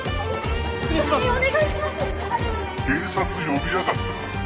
警察呼びやがったな？